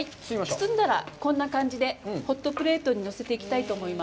包んだら、こんな感じでホットプレートに乗せていきたいと思います。